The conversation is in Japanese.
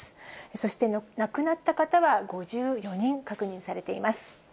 そして亡くなった方は５４人確認されています。